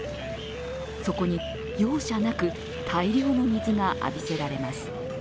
そこに容赦なく大量の水が浴びせられます。